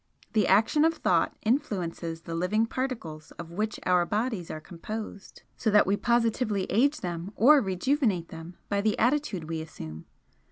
The action of thought influences the living particles of which our bodies are composed, so that we positively age them or rejuvenate them by the attitude we assume.